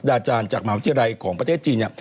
อาจารย์จากมหาวิทยาลัยของประเทศจีนเนี่ย